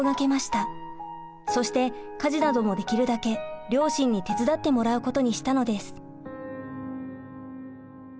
そして家事などもできるだけ両親に手伝ってもらうことにしたのです。